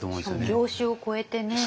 しかも業種を超えてね。